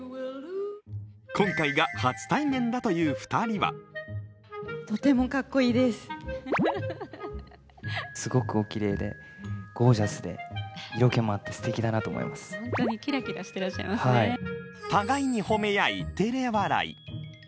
今回が初対面だという２人は互いに褒め合いてれ笑い。